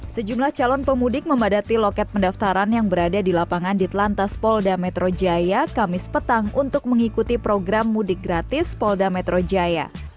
sejumlah calon pemudik memadati loket pendaftaran yang berada di lapangan di telantas polda metro jaya kamis petang untuk mengikuti program mudik gratis polda metro jaya